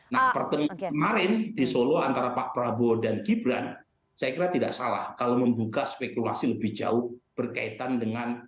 nah pertemuan kemarin di solo antara pak prabowo dan gibran saya kira tidak salah kalau membuka spekulasi lebih jauh berkaitan dengan